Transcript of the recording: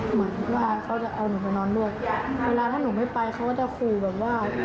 เหมือนว่าเขาจะเอาหนูไปนอนนวดเวลาถ้าหนูไม่ไปเขาก็จะขู่แบบว่า